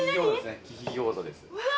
うわ！